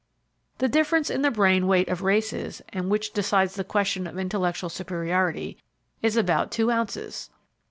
The difference in the brain weight of races, and which decides the question of intellectual superiority, is about two ounces.